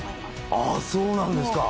あそうなんですか。